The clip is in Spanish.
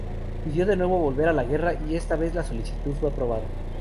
Pidió de nuevo volver a la guerra y esta vez la solicitud fue aprobada.